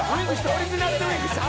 オリジナルのウィンクした？」